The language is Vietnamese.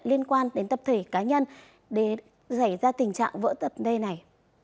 liên quan đến tập thể cá nhân để giải ra tình trạng vỡ tập đê này